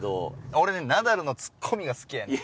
俺ねナダルのツッコミが好きやねん。